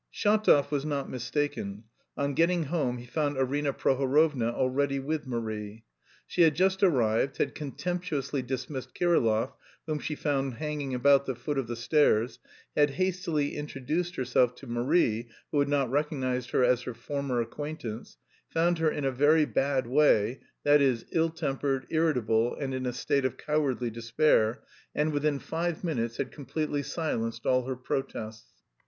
Shatov was not mistaken: on getting home he found Arina Prohorovna already with Marie. She had just arrived, had contemptuously dismissed Kirillov, whom she found hanging about the foot of the stairs, had hastily introduced herself to Marie, who had not recognised her as her former acquaintance, found her in "a very bad way," that is ill tempered, irritable and in "a state of cowardly despair," and within five minutes had completely silenced all her protests.